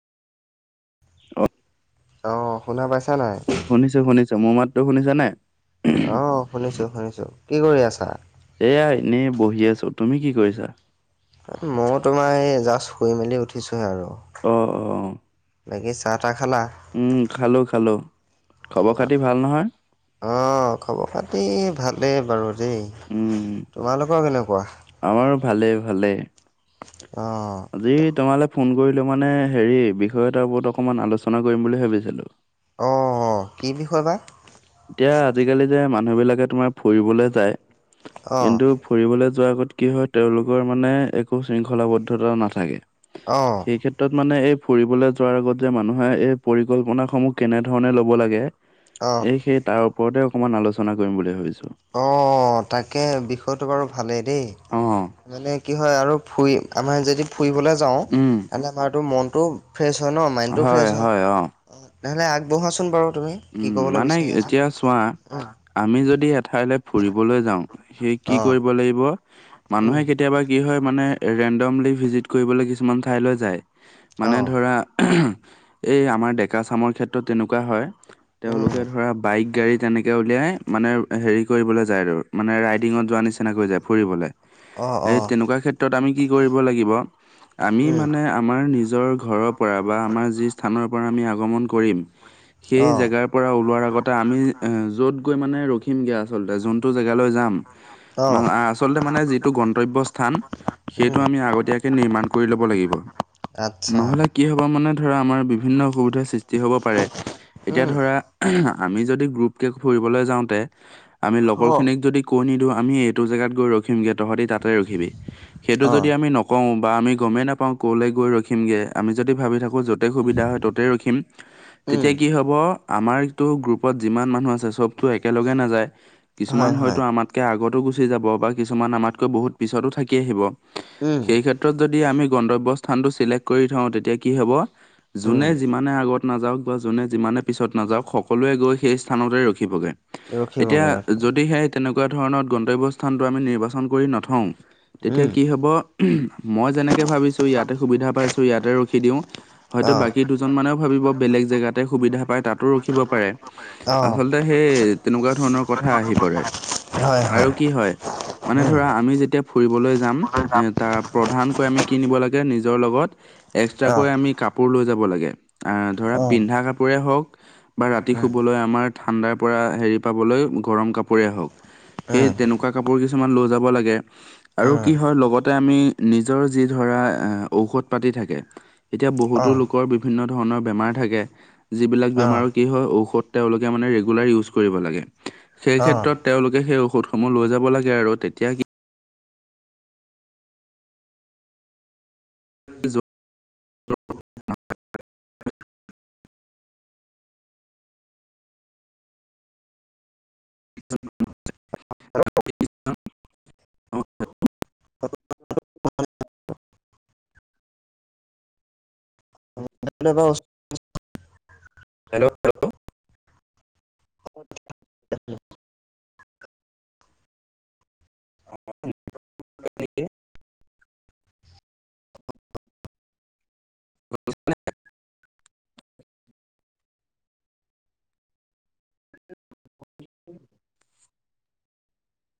অ [inaudible] অ' শুনা পাইছা নাই? শুনিছো শুনিছো মোৰ মাততো শুনিছ নাই? আহ শুনিছো শুনিছো কি কৰি আছা? এয়া এনেই বহি আছো তুমি কি কৰিছা? ময়ো তোমাৰ এই জাষ্ট শুই মেলি উঠিছোহে আৰু। অ', অ'। বাকী চাহ তাহ খালা? উম, খালোঁ খালোঁ, খবৰ খাতি ভাল নহয়। অ' খবৰ পাতি ভালেই বাৰু দেই। উম, তোমালোকৰ কেনেকুৱা? আমাৰো ভালেই ভালে। অ', আজি তোমালোক ফোন কৰিলো মানে হেৰি বিষয় এটাৰ ওপৰত অকমান আলোচনা কৰিম বুলি ভাবিছিলোঁ। অ' কি বিষয় বা। এতিয়া আজিকালি যে মানুহ বিলাকে তোমাৰ ফুৰিবলে যায়, অ', কিন্তু ফুৰিবলৈ যোৱাৰ আগত কি হয় তেওঁলোকৰ মানে একো শৃংখলাবদ্ধতা নাথাকে। অ'। এই ক্ষেত্ৰত মানে এই ফুৰিবলৈ যোৱাৰ আগত যে মানুহে এই পৰিকল্পনাসমূহ কেনেধৰণে ল'ব লাগে। অ', এই সেই তাৰ ওপৰতে অকমান আলোচনা কৰিম বুলি ভাবিছোঁ। অ', অ', তাকে বিষয়টো বাৰু ভালেই দেই। অ'। মানে কি হয় আৰু ফুৰি আমাৰ যদি ফুৰিবলৈ যাওঁ, উম তেন্তে আমাৰটো মনটো ফ্ৰেছ হয় ন মাইণ্ডটো ফ্ৰেছ হয়, তেনেহ'লে আগবঢ়োৱা চোন বাৰু তুমি। কি উম, ক'বলৈ মানে বিচাৰি আছা? এতিয়া চোৱা। উম, আমি যদি এঠাইলৈ ফুৰিবলৈ যাওঁ সেই কি অ'। কৰিব লাগিব মানুহে উম কেতিয়াবা কি হয় মানে ৰেণ্ডমলি ভিজিট কৰিবলৈ কিছুমান ঠাইলৈ যায়, মানে অঁ ধৰা এই আমাৰ ডেকা চামৰ ক্ষেত্ৰত তেনেকুৱা হয় উম তেওঁলোকে ধৰা বাইক গাড়ী তেনেকৈ উলিয়াই মানে হেৰি কৰিবলৈ যায় আৰু মানে ৰাইডিঙত যোৱা নিচিনাকৈ যায় ফুৰিবলৈ। অঁ এই অঁ তেনেকুৱা ক্ষেত্ৰত আমি কি কৰিব লাগিব, আমি উম মানে আমাৰ নিজৰ ঘৰৰ পৰা বা আমাৰ যি স্থানৰ পৰা আমি আগমন কৰিম। সেই অঁ জেগাৰ পৰা ওলোৱাৰ আগতে আমি অ' য'ত গৈ মানে ৰখিমগৈ আচলতে যোনটো জেগালৈ যাম। অঁ ম- আচলতে মানে যিটো গন্তব্য স্থান। সেইটো উম আমি আগতীয়াকে নিৰ্মাণ কৰি ল'ব লাগিব। আত নহ'লে কি হ'ব মানে ধৰা আমাৰ বিভিন্ন অসুবিধাৰ সৃষ্টি হ'ব পাৰে। এতিয়া উম ধৰা আমি যদি গ্ৰুপকৈ ফুৰিবলৈ যাওঁতে, আমি অ লগৰখিনিক যদি কৈ নিদিওঁ আমি এইটো জেগাত গৈ ৰখিমগে তহঁতি তাতে ৰাখিবি, সেইটো অ যদি আমি ন কওঁ বা আমি গ'মেই নাপাওঁ কলৈ গৈ ৰখিমগে, আমি যদি ভাবি থাকোঁ যত তেই সুবিধা হয় ত'তে ৰখিম। উম তেতিয়া কি হ'ব আমাৰটো গ্ৰুপত যিমান মানুহ আছ চবতো একেলগে নাযায়। কিছুমান হয় হয়তো হয় আমাত কে আগতো গুচি যাব বা কিছুমান আমাতকৈ বহুত পিছতো থাকি আহিব। উম সেই ক্ষেত্ৰত যদি আমি গন্তব্য স্থানটো চিলেক্ট কৰি থওঁ, তেতিয়া কি হ'ব। উম যোনে যিমানে আগত নাযাওঁক বা যোনে যিমানে পিছত নাযাওঁক সকলোৱে গৈ সেই স্থানতে ৰখিবগে। এতিয়া ৰখিবগে ৰখি যদি সেই তেনেকুৱা ধৰণৰ গন্তব্য স্থানটো আমি নিৰ্বাচন কৰি নথওঁ, তেতিয়া উম কি হ'ব। মই যেনেকে ভাবিছোঁ ইয়াতে সুবিধা পাইছো, ইয়াতে ৰখি দিওঁ, হয়তো অ বাকী দুজ জন মানেও ভাবিব, বেলেগ জেগাতে সুবিধা পায় তাতো ৰখিব পাৰে। অ আচলতে, সেই তেনেকুৱা ধৰণৰ কথা আহি পৰে। আৰু কি হয়, মানে উম ধৰা আমি যেতিয়া ফুৰিবলৈ যাম এ তাৰ প্ৰধানকৈ আমি কি নিব লাগে নিজৰ লগত অ এক্সট্ৰাকৈ আমি কাপোৰ লৈ যাব লাগে অ', ধৰা পিন্ধা কাপোৰে হওঁক বা ৰাতি শুবলৈ আমাৰ ঠাণ্ডাৰ পৰা হেৰি পাবলৈ গৰম কাপোৰেই হওঁক সেই উম তেনেকুৱা কাপোৰ কিছুমান লৈ যাব লাগে আৰু উম কি হয় লগতে আমি নিজৰ যি ধৰা অ' ঔষধ পাতি থাকে এতিয়া অ বহুতো লোকৰ বিভিন্ন ধৰণৰ বেমাৰ থাকে, যিবিলাক বেমাৰৰ কি হয় ঔষধ তেওঁলোকে মানে ৰেগুলাৰ ইউজ কৰিব লাগে, সেই অ ক্ষেত্ৰত তেওঁলোকে সেই ঔষধসমূহ লৈ যাব লাগে আৰু তেতিয়া য [inaudible] অ অ ব হেল্ল' হেল্ল'? [inaudible] [inaudible] উম